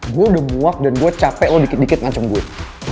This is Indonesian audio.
gue udah muak dan gue capek lo dikit dikit macam gue